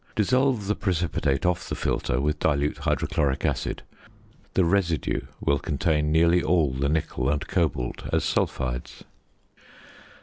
Dissolve the precipitate off the filter with dilute hydrochloric acid; the residue will contain nearly all the nickel and cobalt as sulphides.